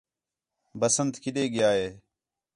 بسنت کِݙے ڳِیا ہِے